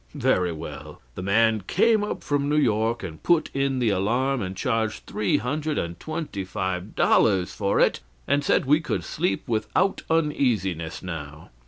Very well: the man came up from New York and put in the alarm, and charged three hundred and twenty five dollars for it, and said we could sleep without uneasiness now.